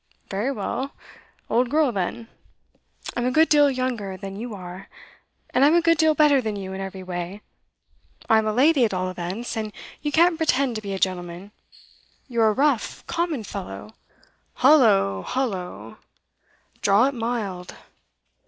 'Very well. Old girl, then.' 'I'm a good deal younger than you are. And I'm a good deal better than you, in every way. I'm a lady, at all events, and you can't pretend to be a gentleman. You're a rough, common fellow ' 'Holloa! Holloa! Draw it mild.